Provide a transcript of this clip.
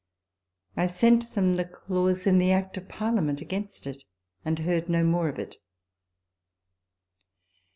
I sent them the clause in the Act of Parliament against it, and heard no more of it.